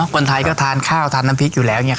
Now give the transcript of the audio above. คนไทยก็ทานข้าวทานน้ำพริกอยู่แล้ว